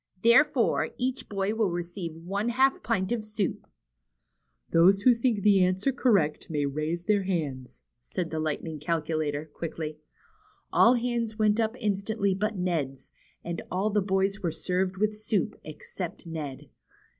Therefore, each boy will receive one half pint of soup." Those who think that answer correct may raise their hands," said the Lightning Calculator, quickly. All hands went up instantly but Ned's, and all the boys were served with soup except Ned.